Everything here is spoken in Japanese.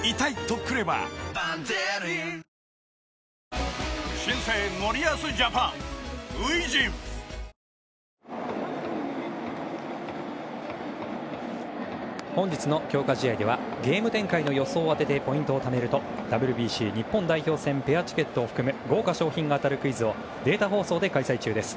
私の選択が私たちの選択がこの世界を美しく変えていく本日の強化試合ではゲーム展開の予想を当ててポイントをためるとＷＢＣ日本代表戦ペアチケットを含む豪華賞品が当たるクイズをデータ放送で開催中です。